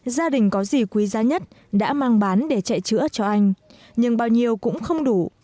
gia đình có gì quý giá nhất đã mang bán để chạy chữa cho anh nhưng bao nhiêu cũng không đủ